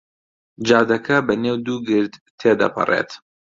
جادەکە بەنێو دوو گرد تێ دەپەڕێت.